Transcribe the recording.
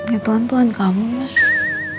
ya tuhan tuhan kamu masih